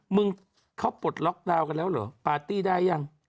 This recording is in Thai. มึงเขาปลดล็อกดาวน์กันแล้วเหรอปาร์ตี้ได้ยัง